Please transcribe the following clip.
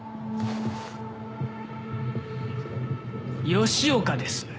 吉岡です。